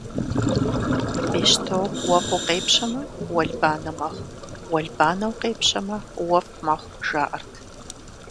Бещто уэфӀу къепщэмэ, уэлбанэ мэхъу, уэлбанэу къепщэмэ, уэфӀ мэхъу, жаӀэрт.